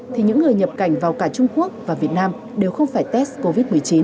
thì những người nhập cảnh vào cả trung quốc và việt nam đều không phải test covid một mươi chín